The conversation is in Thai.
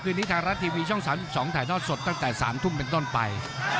คืนนี้ทางรัฐทีวีช่อง๓๒ถ่ายทอดสดตั้งแต่๓ทุ่มเป็นต้นไป